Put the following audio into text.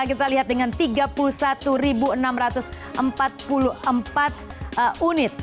kita lihat dengan tiga puluh satu enam ratus empat puluh empat unit